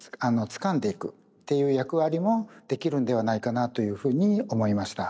つかんでいくっていう役割もできるんではないかなというふうに思いました。